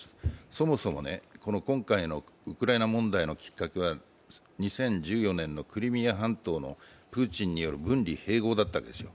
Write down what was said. そもそも今回のウクライナ問題のきっかけは、２０１４年のクリミア半島のプーチンによる分離併合だったわけですよ。